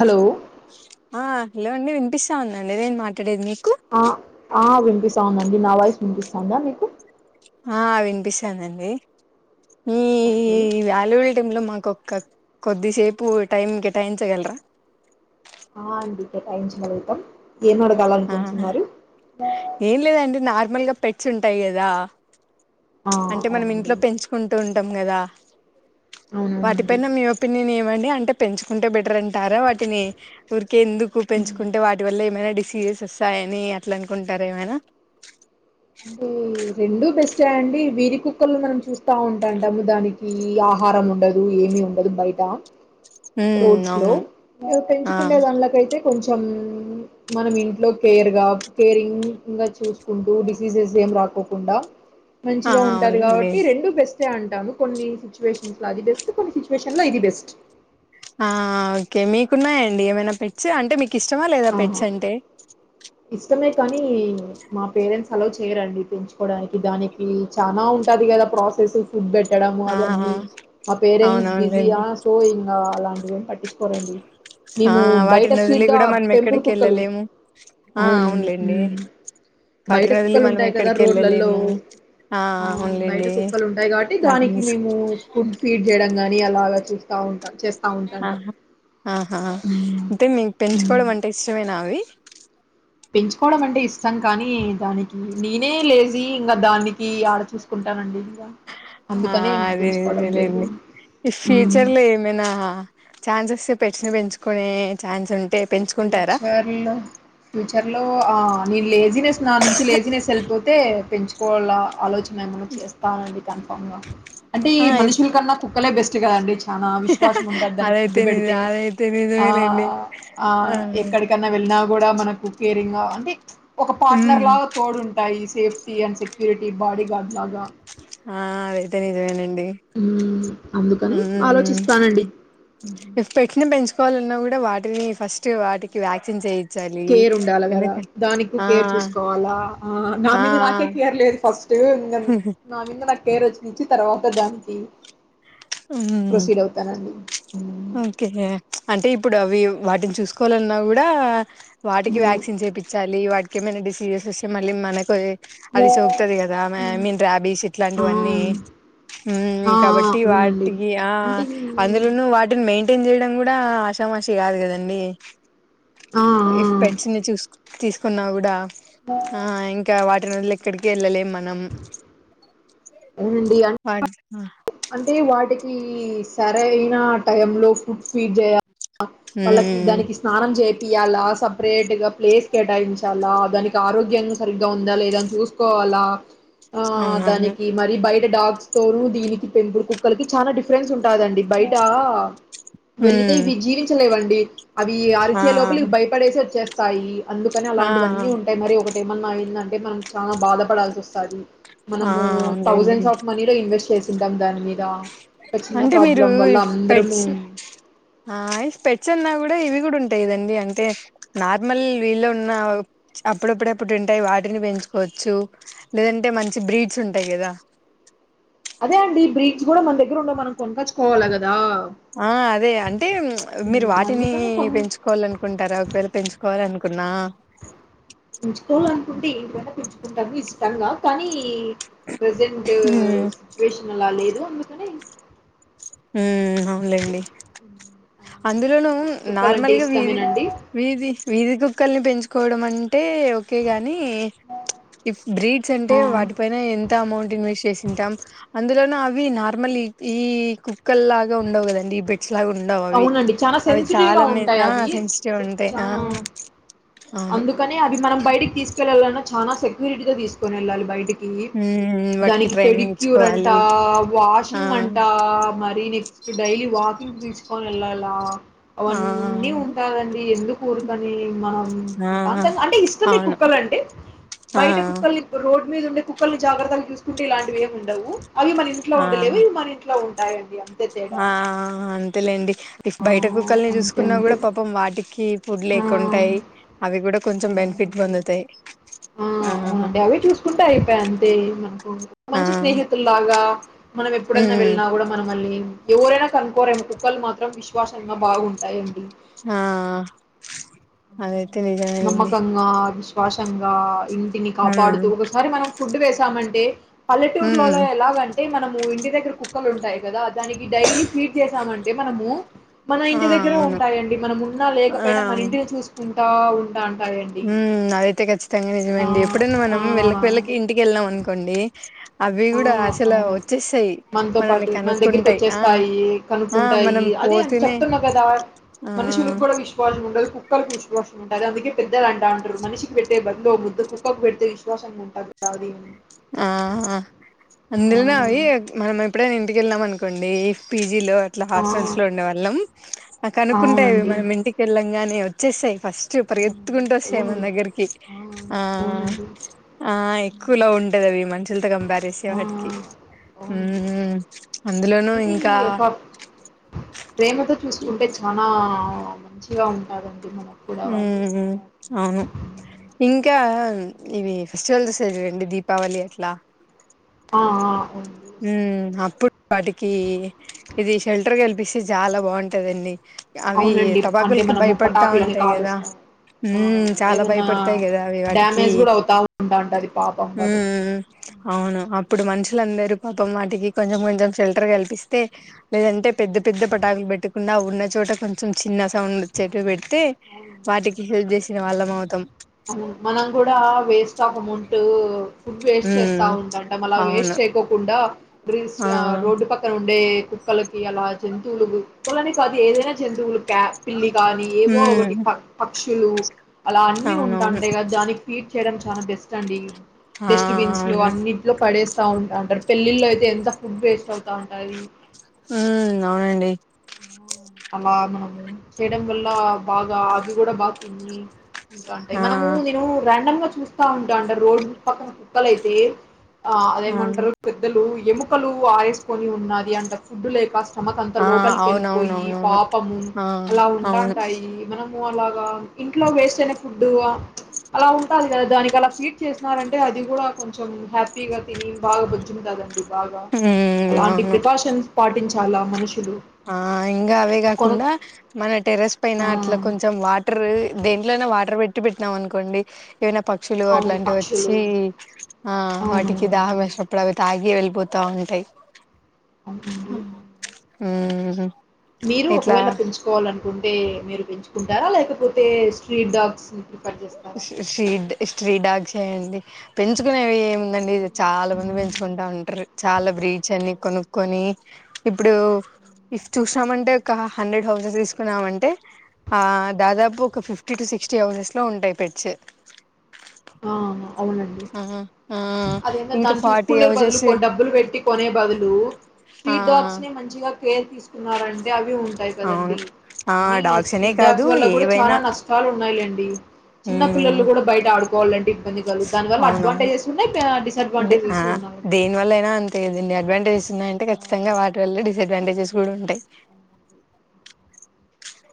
Hello ఆ hello అండి వినిపిస్తా ఉందండి నేను మాట్లాడేది మీ ఆ ఆ వినిపిస్తా ఉందండి నా వైఫ్ ఇనిపిస్తాందా మీకు ఆ విన్పిస్తదండి ఇ ఓకే లల్లూ టైమ్ లో మాకొక్క కొద్దిసేపు టైం కేటాయించగలరా ఆ అండి ఇక్క టైం చదువుతాం ఏం ఆ అడగలనుకుంటునారు నామాల్ గా పెట్స్ ఉంటాయి కదా ఆ ప్చ్ అంటే మనం అవునండి ఇంట్లో పెంచుకుంటూ ఉంటాం గదా అవునవునండి వాటిపైైన మీ ఒపీనియన్ ఏంటి అంటే అంటే పెంచుకుంటే బెటర్ అంటారు వాటిని ఊరికే ఎందుకు ఉమ్. పెంచుకుంటే వాటి వల్ల ఏమైనా డిసీజెస్ వస్తాయని అట్లా అనుకుంటార్ ఏమైనా మ్ రెండూ బెస్టే అండి వీరి కుక్కలు మనం చూస్తా ఉంటాంటాము దానికి ఆహారం ఉండదు ఏమి ఉండదు బయట ఉమ్ రోడ్స్ లో అవును ఆ పెంచుకునే ధన్లోకైతే కొంచెం మనం ఇంట్లో కేర్గా కేరింగ్గా చూసుకుంటూ డిసీజెస్ ఏం రాక కుండా ఆ మంచిగా ఉంటది అవునండి కాబట్టి రెండు బెస్ట్ తే అంటాను కొన్ని సిచ్యువేషన్స్ లో అది బెస్ట్ కొన్ని సిచ్యువేషన్ లో ఇది బెస్ట్ ఆ ఓకే మీకున్నాయండి ఏమైనా పెట్స్ అంటే మీకు ఇష్టమా లేదా పెట్స్ అంటే ఇష్టమే కానీ మా పేరెంట్స్ అలో చేయరండి తెంచుకోవడానికి దానికి చాలా ఉంటది కదా ప్రాసెస్ ఫుడ్ పెట్టడ ఆ అది అన్నీ మా పేరెంట్స్ బిజీ అవునవునులేండి ఆ సో అలాంటివేమీ పట్టించుకోరండి ఆ మేము బయట వాటినోదిలి స్ట్రీట్ కూడా మనం ఎక్కడికి వెళ్ళలేము ఆ అవును అవునులేండి బయట వాటిని వదిలి కుక్కలు మనం ఉంటాయి కదా ఎక్కడికి రోడ్లలో వెళ్ళలేము ఆ బయట అవునులేండి కుక్కలు ఉంటాయి కాబట్టి దానికి మేము ఫుడ్ ఫీడ్ చే డాగని అలాగా చూస్తా ఉంటాను ఆ ఆహా హ్మ్. అంటే మీకు హ్మ్. పెంచుకోవడం అంటే ఇష్టమేనా అవి పెంచుకోవడం అంటే ఇష్టం కానీ దానికి నేనే లేజీ ఇంకా దాన్ని ఆ అందుకనే ఇంక పెంచుకోవడం లేదు. అదేదండి ఈ హ్మ్. ఫ్యూచర్ లో ఏమైనా ఛాన్సెస్ ఉన్నాయా పెంచుకునే ఛాన్స్ ఉం ఫ్యూచర్ లో ఫ్యూచర్ ఒ ఆ లేద లేజినెస్ నా నుంచి లేజినెస్ వెళ్పోతే పెంచుకోవాల ఆలోచ [inaudible] నేము చేస్తాను పంగ అంటే ఈ ఆ ఇఫ్ మనుషుల కన్నా కుక్కలే బెస్ చిగండి అదైతే నిజమే అదైతే నిజమేనండి అవునండి ఎక్కడికన్నా వెళ్ళిన కూడా మన కేరింగ్ అంటే ఒక పార్ట్నర్ ఉమ్ లా తోడుంటాయి సేఫ్టీ అండ్ సెక్యూరిటీ బాడీ గడ్లాగా ఆ ఏదైతేనిజమేన్ డి హ్మ్. అందుకని ఉహు ఆలోచిస్తానండి. ఇ పెట్టినే పెంచుకోవాలన్నా కూడా వాటిననే ఫస్ట్ వాటికి వ్యాక్సిన్ చేయ కేర్ ఉండాలి కదా దానికి కేర్ చూసుకోవాలా ఆ నా మీద నాకే కేర్ లేదు ఫస్ట్ ఇం నా మీద నాకు కేర్ వచ్చినచ్చి తర్వాత కదండి ఉ హ్మ్ ఓకే అంటే ఇప్పుడు అవి వాటిని చూసుకోవాలన్నా కూడా వాటికి హ్మ్ వాక్సిన్స్ వేపించాలి వాటికి ఏమైనా డి ఏసేసే మళ్ళీ మనకొ ఏ అది హ్మ్ సోకుతది కదా ఐ మీన్ ర్యాబీస్ ఆ ఇట్లాంటివన్నీ హుమ్ ఆ ఆ కాబట్టి వాట్ అవునండి ట్టి గి ఆ అంటే అందులోనూ వాటిని మెయిన్ మెయింటెయిన్ చేయడం కూడా ఆశామాషి కాదు కదండి ఆ ఆ ఇఫ్ పెట్స్ ని చుస్క్ తీసుకున్నా కూడా ఆ ఇంకా వాట్ టోనుల్ ఎక్కడికి వెళ్ళలేం మనం అవునండి అన్ పా హా అంటే వాటికి సరైన టైంలో ఫుడ్ ఫీడ్ చేయా వాళ్ళకి దానికి స్నానం జేప్ ఇయ్యాల సపరేట్గా ప్లేస్ కేటాయించ్ చాలా దానికి ఆరోగ్ గ్యం సరిగ్గా ఉందా లేదా అని చూసుకోవాలా ఆ అవునవును దానికి మరి బయట డాగ్స్ తోరు దీనికి పెంపుడు కుక్కలకి చాలా డిఫరెన్స్ కాదండి బయట వెళితే ఉమ్ ఇవి జీవించలేవండి అవి ఆ అరిసే లోపల ఇవి భయపడేసి వచ్చేస్ కాయి అందుకని ఆ అలాంటివన్నీ ఉంటాయి మరి ఒకటి ఏమన్నా అయ్యిందన్ టే మనం చాలా బాధపడాల్సి వస్తాది ఆ మనము అవునులేండి థౌసండ్స్ ఆఫ్ మనీ లో ఇన్వెస్ట్ చేస్ తాద్ దాని మీద అంటే మీరు ప్రాబ్లం ఈ వల్ల పెట్స్ అందరము ఆయ్ పెట్స్ అన్నా కూడా ఇవి కూడా ఉన్ టేదండి అంటే నార్మల్ వీళ్ళ ఉన్న అప్పుడప్పుడప్పుడుంటాయి వాటిని పెంచుకోవచ్చు లేదంటే మంచి బ్రీడ్స్ ఉంటాయి కదా అదే అండి బ్రీడ్స్ కూడా మన దగ్గర ఉండవు మనం కొనుక్కచ్చుకోవాలా కదా ఆ అదే అంటే మీరు హ్మ్ వాటిని అందుకని కొన్ పెంచుకోవాలనుకుంటారా ఒక వేళ పెంచుకోవాలనుకు పున్నా పెంచుకోవాలనుకుంటే ఏంటివన్నా పెంచుకుంటాము ఇష్టంగా కానీ ప్రసెంట్ హ్మ్. సుచ్యువేషన్ అలా లేదు అందుకని ఉమ్ అవునలేండి మీ అందులోనూ కుక్కలంటే నార్మల్గా వీధి ఇష్టమేనండి వీధి వీధి కుక్కల్ని పెంచు కోవడం అంటే ఓకేగాని బ్రీడ్స్ అంటే ఆ వాటిపైన ఎంత అమౌంట్ ఇన్వెస్ట్ చేసింటాం అందులోనూ అవి నార్మల్లీ ఈ కుక్ కల్లాగా ఉండవ్ గదండి ఈ బెట్ అవునండి చానా సెన్సిటివ్గా మె ఉంటాయి ఆ! అవి సెన్సిటివ్ ఉంటాయి. చా ఆ! అవును. అందుకనే అవి మనం బయటికి తీసుకెళ్ళాలన్నా చానా సెక్యూరిటీతో తీసుకొని వెళ్ళాలి బయటి కి హ్మ్. వాటికి దానికి ట్రైనింగ్ పెడిక్యూర్ అంట ఇచ్చుకోవాలి. ఆ! వాషింగ్ అంటా మరి నెక్స్ట్ డైలీ వాకింగ్ తీస్ కో వెళ్లాలా అవన్నీ ఆ! ఉండాలండి ఎందుక్ ఊరుకన్ వి మనం ఆ ప్రశాంతంగా అంటే ఇష్టమే అవును కుక్కలు అంటే ఆ బయట కుక్కల్ని రోడ్ మీద ఉండే కుక్కల్ని జాగ్రత్తగా చూసుకుంటే ఇలాంటివి ఏం ఉండవు అవి మన ఇంట్లో ఆ ఉండలేవు ఇవి మన ఇంట్లో ఉన్ టాయండి అన్ ఆ అంతేలే డి ఆ! బయట కుక్కల్ని అంతే చూసుకున్నా అంతే. కూడా పాపం వాటికి ఫుడ్ ఆ! లేకుంటాయి అవి కూడా కొంచెం బెనిఫిట్ అవునవునండి. పొందుతాయి ఆ అవునండి. అవే చూసుకుంటే అయిపాయి అంతే. మనకు ఆ మంచి స్నేహితుల్లాగా మనం ఎప్పుడన్నా ఉమ్ వెళ్ళినా కూడా మనమల్ని ఎవ్వురైనా కనుక్కోరేమో కు కుక్కలు మాత్ రం విశ్వాసంగా బాగుంటాయండి ఆ అదైతే నిజమేనండి నమ్మకంగా విష్ శ్వాసంగా ఇంటిని ఉమ్ కాపాడుతూ ఒకసారి మనం ఫుడ్ వేసామంటే ఉమ్ పల్లెటూర్లులులో ఎలాగంటే మనం ను్ ఇంటి దగ్గర కుక్కలు ఉంటాయి కదా దానికి డైలీ ఫీడ్ మనము మన ఆ ఇంటి దగ్గర అవును ఉంటాయండి మనం ఉన్నా లేకపోయినా మన ఇంటిని చూసుకు టా ఉంటాన్ హ్మ్ అదైతే ఖచ్చితంగా నిజమే ఆ! అండి ఎప్పుడైనా ఆ! మనం వెళ్ళక వెళ్ళక ఇంటికి ఎల్నాం అనుకోండి అవి ఆ కూడా అసలు అవును వచ్చేస్తాయి మనతో మనల్ని పాటు మన దగ్గరికి కనుక్కుంటాయి ఆ వచ్చేస్తాయి ఆ మనం కనుక్కుంటాయి అదే పోతేనే చెప్తున్నా కదా ఆ మనుషులకు కూడా విశ్వాసం ఉండదు కుక్కలకు విశ్వాసం ఉంటాది అందుకే ద్దలు అంటాంట్రు మనిషికి పెట్టే బదులు ఓ ముద్ద కుక్కకు పెడితే విశ్వాసంగా ఉంటా ఆది ఆ అందులోనే అవి మనం ఎప్పుడైనా ఇంటికెల్నాం అను కొండే పి జీలో అట్ల ఆ, హాస్టల్స్ లో ఉండేవాళ్ళం కనుక్కుంటాయ్ అవి అవునండి మనం ఇంటికి ఎళ్ళంగానే వచ్చేసెయ్ ఫస్ చు అవునండి పరిగెత్తుకుంటు వస్తాయి అవును మన దగ్గరికి ఆ అవునండి ఆ ఎక్కువలో ఉ వి మనుషుల అంత కంపేర్ చేస్తే ఆ, వాటికి అవునండి అందులోనూ అంటే ఇంకా ఒక ప్రేమతో చూసుకుంటే చాలా మంచిగా ఉంటారం హ్మ్ అవును ఇం కా ఇవి ఫెస్టివల్స్ వస్తాయి చూడండి దీపావళి అట్లా ఆ ఆ హ్మ్ అప్పు వాటికి ఇది షెల్టర్ కలిపిస్తే చాలా బావుంటదండి అవి అవునండి. అంటే టపాకులకి మనము భయపడతా పటాకులని ఉంటాయి కదా కాలుస్తాం. మనం హ్మ్ చాలా ఏదన్నా భయపడతాయి కదా అవి వాటికి డ్యామేజ్ గూడా అవుతా ఉంటాంటది పాపం వాటికి. హ్మ్ అవును అప్పుడు హ్మ్. మనుషులందరూ పాపం వాటికి కొంచెం కొంచెం షెల్టర్ కల్పిస్తే లేదంటే పెద్ద పెద్ద పటాకులు పెట్టుకున్నా ఉన్న చోట కొంచెం చిన్న సౌండ్ వచ్చేటు పెట్ తే వాటికి హెల్ప్ చేసి చిన వాళ్లం అవుతాం ఆ మనం కూడా waste of amount food waste చేస్తా హ్మ్ ఉంటాంటం అలా అవును వేస్ట్ చేయకోకుండా బ్రిడ్జ్ ఆ రోడ్డు పక్కన ఉండే కుక్కలకి అలా జంతువులు కుక్కలని కాదు ఏదైనా జంతువులు క్యా పిల్లి కానీ ఏవో ఒకటి హ్మ్ ప ప క్షులు అలా అన్నీ ఉం అవునవును అంటే కదా దానికి ఫీడ్ చేయడానికి చానా బెస్ట్ అండి ఆ డస్ట్బిన్స్ లో అవును అన్నిట్లో పడే స్తా ఉంటటారు పెళ్ళిళ్లో అయితే ఎంత ఫుడ్ వేస్ట్ అవు మ్ అవునండి అలా మనము చేయడం వల్ల బాగా అవి కూడా బాగా తిని ఉంటా ఉంటాయి మనము ఆ నేను ర్యాండమ్ గా చూస్తా ఉంటాంట రోడ్డు పక్కన కుక్కలైతే ఆ అదేమంటరు పెద్దలు ఎము మక్కలు ఆరేసుకొని ఉన్నాది అంట ఫుడ్ లేక స్టమక్ అంత ఆ లోపలికి ఎళ్ళిపోయి అవునవునవునవును అవి ఆ అలా అవును ఉంటంటాయి మనము అలాగా ఇంట్లో వేస్ అలా ఉంటది కదా దానికి అలా ఫీట్ చేసినారంటే అది కూడా కొంచెం హ్యాపీగా తిని బాగాద్ కదండి బాగా ఉమ్ అలాంటి అవును ప్రికాషన్స్ పాటించ చాలా మనిషి కి ఆ ఇంగ అవేగ కుండా మన టెర్రస్ పైన ఆ! అట్లా కొంచెం వాటర్రు దేంట్లోనో వాటర్ పెట్టి పెట్టినాం అనుకోండి ఏమైనా పక్షులు అవును. అట్లాంటివి పక్షులు. వచ్చి ఆ వాటికి దాహం అవునవునవునండి. వేసినప్పుడు అవి తాగి అ వెళ్ళిపోతా ఉంటాయి అవునండీ మ్ మీరు ఒకవేళ పెంచుకోవాల అనుకుంటు అతే మీరు పెంచుకుంటారా లేకపోతే స్ట్రీట్ డాగ్స్ శ్రీ శ్రీడాక్షస్ అండి పెంచు. కునేవి అవును. ఏముందండి చాలా మంది హ్మ్. పెంచుకుంటా ఉంటారు చాలా బ్రీచ్ అన్ని కొనుక్కక్కొని ఇప్పుడు ఇఫ్ చూసినామంటే ఒక హండ్రెడ్ హౌసెస్ తీసుకున్నామంటే ఆ దాదాపు ఒక ఫిఫ్టీ టు సిక్స్టీ హౌసెస్ లో ఉంటాయి పెచ్చ ఆ అవునండి ఆ అదేంట ఇంకా దాన్ని ఫార్టీ చూసుకునే బదులు హౌసెస్ డబ్బులు పెట్టి కొనే బదులు ఆ స్ట్రీట్ డాగ్స్ న మంచిగా కేర్ తీసుకున్నారండి అవి ఉంటాయి అవును కదండి ఆ అని డాగ్స్ అనే స్ట్రీట్ కాదు డాగ్స్ వల్ల కూడా ఏవైనా చాలా నష్టాలు ఉన్నాయిలేండి అ చిన్న ఉమ్ పిల్లలు కూడా బయట ఆడుకు కోలెంటి ఎకలు దాని వల్ల అవునవును అడ్వాంటేజెస్ ఉన్నాయి డిసడ్వాంటేజెస్ ఉన్నాయండి దేని వల్ల అయినా అంతేదండి అడ్వాంటేజెస్ ఉన్నాడి ఖచ్చితంగా వాటి వల్ల డిసడ్వాంటేజెస్ కూడా ఉంటాయి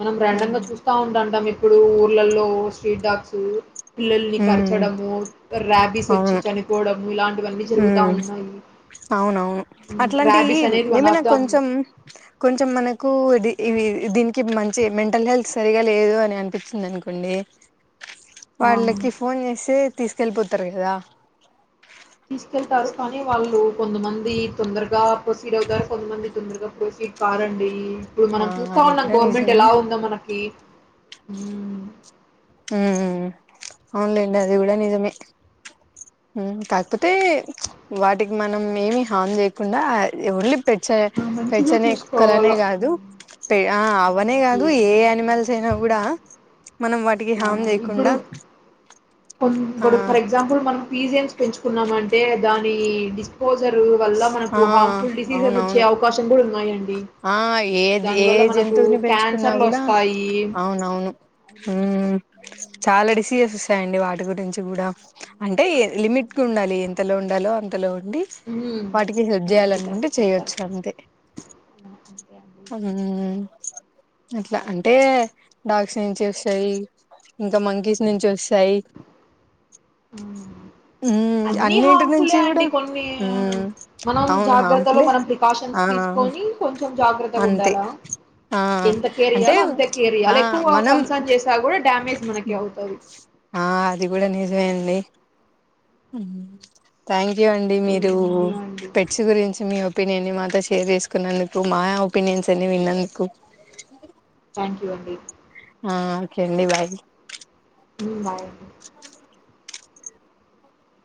మనం రారాండమ్ గా చూస్తా ఉండంటాం మీ ఇప్పుడు ఊర్లలో స్ట్రీట్ డాగ్స్ పిల్లల్ని హ్మ్. కరర్చడము రార్యాబీస్ వచ్చి అవును. చనిపోవడము ఇలాంటివన్నీ జరుగుతా ఉన్నాయి అవునవును అట్లాంటి ర్యాబీస్ అనేది వన్ ఏమైనా ఆఫ్ కొంచెం కొంచెం మనకు ఇది ఇ దీ ఇ మంచి మెంటల్ హెల్త్ సరిగా లేదు అని అనిపించింది అనుకోండి ద వాళ్ళకి ఫోన్ చేసి తీసుకెళ్ళిపోతారు కదా తీసుకెళ్తారు కానీ వాళ్ళు కొంతమంది ఇది తొందరగా పో సీడ్ అవుతారు కొంతమంది తొందరగా పోసి కారంండి ఇప్పుడు ఆ! మనం చూస్తా అది ఉన్నాం కూడా గవర్నమెంట్ నిజమే. ఎలా ఉందా మనకి ఉ అన్లైండి అది కూడా నిజమే కాకపోతే వాటికి మనం ఏమి హాన్ చేయకుండా ఒళ్ళ పె మంచిగా చూసుకోవాల పెచనేక్కలనే కాదు పె ఆ అవనే కాదు ఏ యానిమల్స్ అయినా కూడా మనం వాటికి అవున హార్మ్ ఇప్పుడు చేయకుండా కొ ఇప్పుడు ఆ! ఫర్ ఎగ్జాంపుల్ మనం పీజిఎమ్స్ పెంచుకున్నామ అంటే దాని డి ర్ వల్ ఆ మనకు హార్మ్ ఫుల్ డిసీజెస్ వచ్చే అవునవును అవకాశం కూడా ఉ ఆ ఏది ఏ మనకు జంతువుని పెంచుకున్నా క్యాన్సర్లు కూడా వస్తాయి అవునవును అవునండి. ఉమ్. చాలా డిసీజ వస్తాయండి వాటి గురించి కూడా అంటే లిమిట్గా ఉండాలి ఎంతలో ఉండాలో అంతలో ఉ హ్మ్ వాటికి సెబ్ అవునండి చేయాలనుకుంటే కరెక్ట్ చెప్పారు చేయొచ్చు అంతే ఆ! అంతే అండి అ అట్లా అంటే డాగస్ నుంచి వస్తాయి ఇంకా మంకీస్ నుంచి వస్తాయి సై అన్ని అన్నింటి హార్మ్ఫులే నుంచి కూడా అండి కొన్ని ఉమ్ మనం అవును జాగ్రత్తలో హార్మ్ఫులే మనం ప్రికాషన్ ఆ తీసుకొని కొంచెం జాగ్రత్తగా అంతే ఉండాలా ఆ ఎంత కేర్ అంటే ఇయలో అంతే కేర్ ఆ ఇయాలి ఎక్కువ మనం కన్సర్న్ చేసా కూడా డ్యామేజ్ మనక అవుతుంది ఆ అది కూడా నిజమే థ్యాంక్ అ అండి ఓకే మీరు థాంక్ యూ అండి పెట్స్ గురించి మీ తినేని మాత సి షేర్ చేసుకున్నందుకు మా ఒపీనియన్స్ అన్ని విన్నందుకు థ్యాంక్ యూ అండి ఆ ఓకే అండి బాయ్ హ్మ్ బాయ్ అండి అ